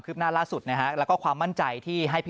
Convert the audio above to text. ขอให้มั่นใจนะครับโดยเฉพาะผม